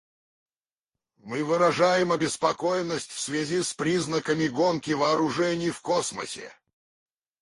Мы выражаем обеспокоенность в связи с признаками гонки вооружений в космосе.